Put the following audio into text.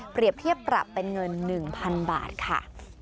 เทียบปรับเป็นเงิน๑๐๐๐บาทค่ะ